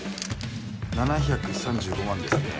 ７３５万ですね。